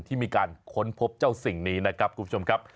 ที่มีการค้นพบเจ้าสิ่งนี้นะครับคุณผู้ชมครับ